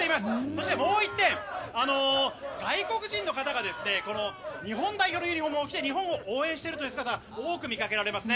そして、もう１点外国人の方がこの日本代表のユニホームを着て日本を応援している姿が多く見かけられます。